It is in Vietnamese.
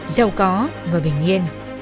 giàu có và bình yên